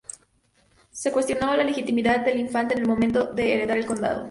Se cuestionó la legitimidad del infante en el momento de heredar el condado.